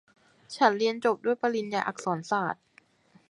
ฉันเรียนจบด้วยปริญญาอักษรศาสตร์